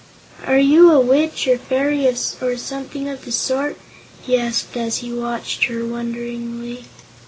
"Are you a witch, or fairy, or something of the sort?" he asked as he watched her wonderingly.